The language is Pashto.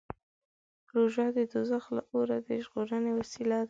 روژه د دوزخ له اوره د ژغورنې وسیله ده.